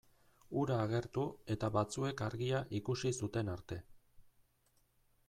Hura agertu eta batzuek argia ikusi zuten arte.